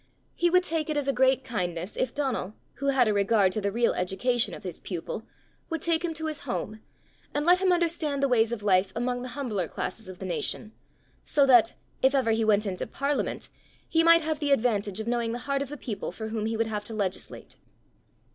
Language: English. He would take it as a great kindness if Donal, who had a regard to the real education of his pupil, would take him to his home, and let him understand the ways of life among the humbler classes of the nation so that, if ever he went into parliament, he might have the advantage of knowing the heart of the people for whom he would have to legislate.